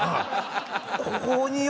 ここによ